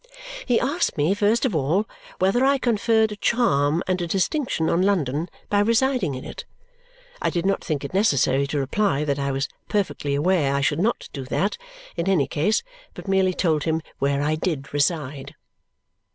He asked me, first of all, whether I conferred a charm and a distinction on London by residing in it? I did not think it necessary to reply that I was perfectly aware I should not do that, in any case, but merely told him where I did reside.